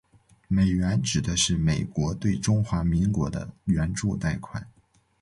美援指的是美国对中华民国的援助贷款。